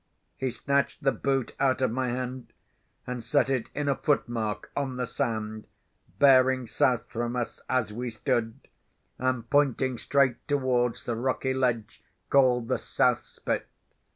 He snatched the boot out of my hand, and set it in a footmark on the sand, bearing south from us as we stood, and pointing straight towards the rocky ledge called the South Spit.